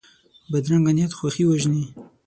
بدرنګه نیت خوښي وژني